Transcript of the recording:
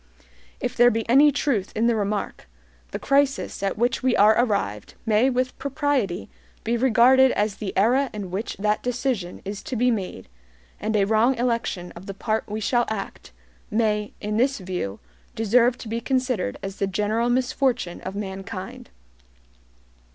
If there be any truth in the remark, the crisis at which we are arrived may with propriety be regarded as the era in which that decision is to be made; and a wrong election of the part we shall act may, in this view, deserve to be considered as the general misfortune of mankind.